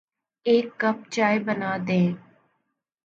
ایک کپ چائے بنادیں